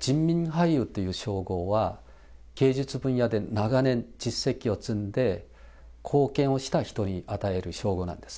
人民俳優という称号は、芸術分野で長年、実績を積んで、貢献をした人に与える称号なんですね。